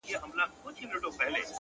صادق انسان کم تشریح ته اړتیا لري.